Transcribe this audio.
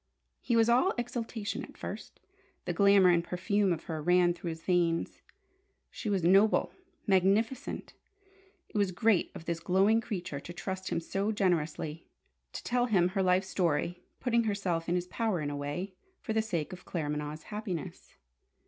He was all exaltation at first. The glamour and perfume of her ran through his veins. She was noble, magnificent. It was great of this glowing creature to trust him so generously, to tell him her life story, putting herself in his power in a way, for the sake of Claremanagh's happiness.